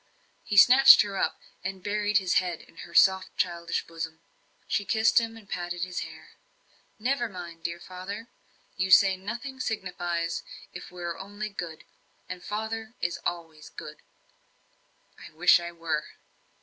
He snatched her up, and buried his head in her soft, childish bosom. She kissed him and patted his hair. "Never mind, dear father. You say nothing signifies, if we are only good. And father is always good." "I wish I were."